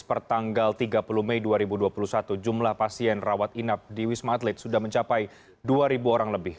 pertanggal tiga puluh mei dua ribu dua puluh satu jumlah pasien rawat inap di wisma atlet sudah mencapai dua orang lebih